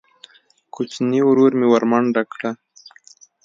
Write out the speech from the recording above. کوچیني ورور مې ورمنډه کړه.